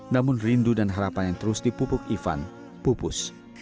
namun rindu dan harapan yang terus dipupuk ivan pupus